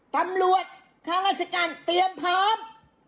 ตำรวจค้าราชการเตรียมพร้อม